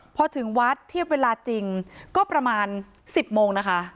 พอถึงวัดเทียบเวลาจริงก็ประมาณ๑๐โมงนะคะ